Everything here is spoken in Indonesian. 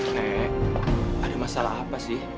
nek ada masalah apa sih